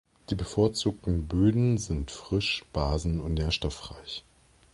Die bevorzugten Böden sind frisch, basen- und nährstoffreich.